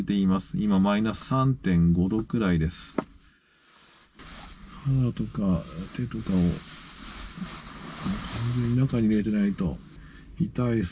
今マイナス３．５度くらいです。